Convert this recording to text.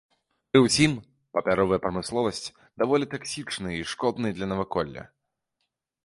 Пры ўсім папяровая прамысловасць даволі таксічнай і шкоднай для наваколля.